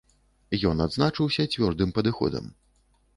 Ён адзначыўся цвёрдым падыходам.